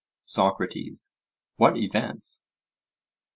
SOCRATES: What events?